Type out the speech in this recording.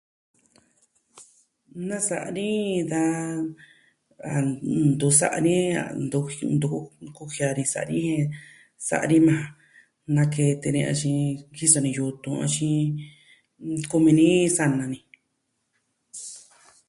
Nasa ni da a ntu sa'a ni ntu ku, ntu kuu kujia ni sa'a ni, sa ni maa nakete nee axin, kisɨ ni yutun, kumi ni sa'na ni.